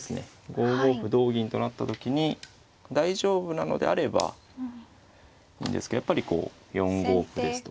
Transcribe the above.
５五歩同銀となった時に大丈夫なのであればいいんですけどやっぱりこう４五歩ですとか。